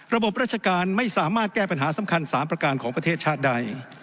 ระบบราชการไม่สามารถแก้ปัญหาสำคัญ๓ประการของประเทศชาติใด